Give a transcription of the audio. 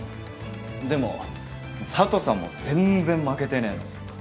でも佐都さんも全然負けてねえの。